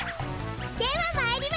ではまいりましょ！